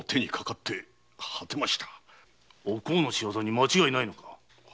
お甲の仕業に間違いないのだな？